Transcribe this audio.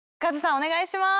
お願いします。